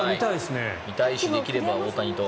見たいしできれば大谷と。